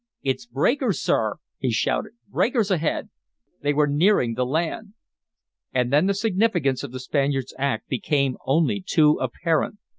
"It's breakers, sir!" he shouted. "Breakers ahead!" They were nearing the land! And then the significance of the Spaniard's act became only too apparent.